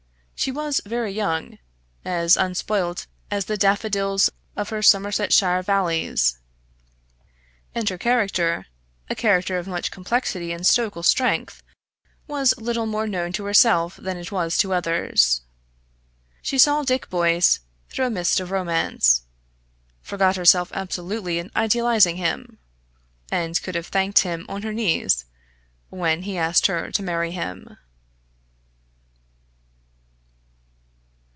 She was very young, as unspoilt as the daffodils of her Somersetshire valleys, and her character a character of much complexity and stoical strength was little more known to herself than it was to others. She saw Dick Boyce through a mist of romance; forgot herself absolutely in idealising him, and could have thanked him on her knees when he asked her to marry him.